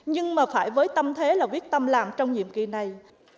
nhưng mà phải với tâm thế là viết tâm làng trong nhiệm kỳ này